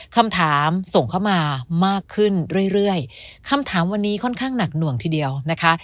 คำถามส่งเข้ามามากขึ้นเรื่อยเรื่อยคำถามวันนี้ค่อนข้างหนักหน่วงทีเดียวนะคะ